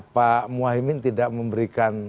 pak muhaymin tidak memberikan